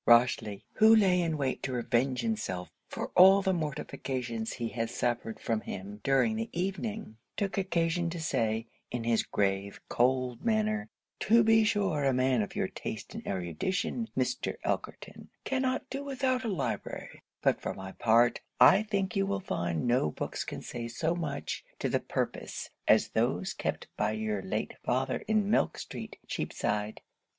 Rochely, who lay in wait to revenge himself for all the mortifications he had suffered from him during the evening, took occasion to say, in his grave, cold manner, 'to be sure a man of your taste and erudition, Mr. Elkerton, cannot do without a library; but for my part, I think you will find no books can say so much to the purpose as those kept by your late father in Milk street, Cheapside.'